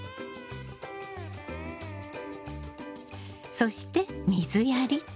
そして水やり。